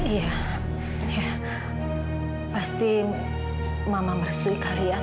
iya iya pasti mama merestui kalian